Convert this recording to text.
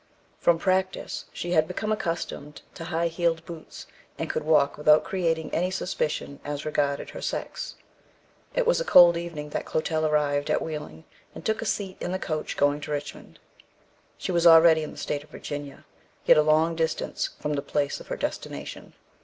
From practice she had become accustomed to high heeled boots, and could walk without creating any suspicion as regarded her sex. It was a cold evening that Clotel arrived at Wheeling, and took a seat in the coach going to Richmond. She was already in the state of Virginia, yet a long distance from the place of her destination.